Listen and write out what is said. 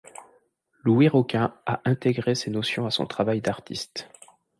Louis Roquin a intégré ces notions à son travail d’artiste.